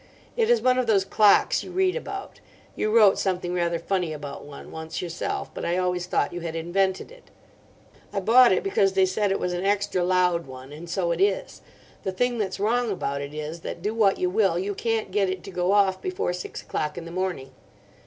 It is one of those clocks you read about. You wrote something rather funny about one once yourself, but I always thought you had invented it. I bought it because they said it was an extra loud one, and so it is. The thing that's wrong about it is that, do what you will, you can't get it to go off before six o'clock in the morning.